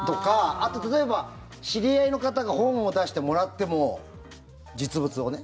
あと例えば知り合いの方が本を出して、もらっても実物をね。